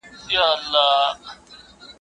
یو د بل په وینو پایو یو د بل قتلونه ستایو.